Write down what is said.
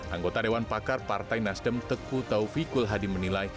anggota dewan pakar partai nasdem teku taufikul hadi menilai